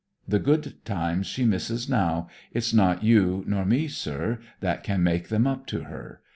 The good times she misses now, it's not you nor me, sir, that can make them up to her.